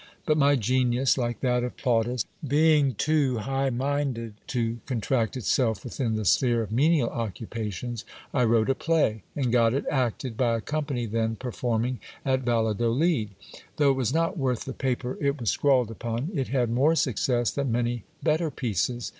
But my genius, like that of Plautus, being too high minded to contract itself within the sphere of menial occupations, I wrote a play and got it acted by a company then performing at Valladolid. Though it was not worth the paper it was scrawled upon, it had more success than many bet ter pieces.